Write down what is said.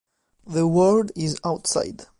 The World Is Outside